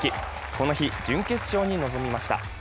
この日、準決勝に臨みました。